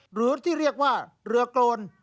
หรือที่เรียกว่าเรือโกน